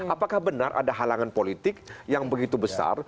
apakah benar ada halangan politik yang begitu besar